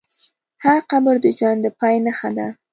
هر قبر د ژوند د پای نښه ده.